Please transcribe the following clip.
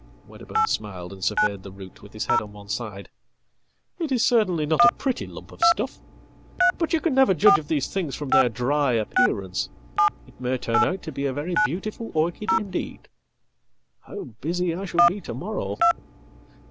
"Wedderburn smiled and surveyed the root with his head on one side. "It iscertainly not a pretty lump of stuff. But you can never judge of thesethings from their dry appearance. It may turn out to be a very beautifulorchid indeed. How busy I shall be to morrow!